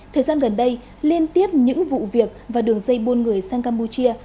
thời gian gần đây liên tiếp những vụ việc và đường dây buôn người sang campuchia